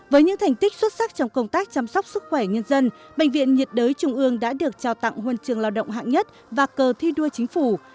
với những thành tích xuất sắc trong công tác chăm sóc sức khỏe nhân dân bệnh viện nhiệt đới trung ương đã được trao tặng huân trường lao động hạng nhất và cờ thi đua chính phủ